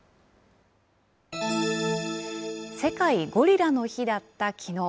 世界ゴリラの日だったきのう。